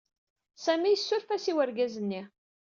Sami yessuref-as i urgaz-nni.